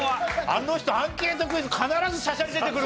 あの人アンケートクイズ必ずしゃしゃり出てくるから。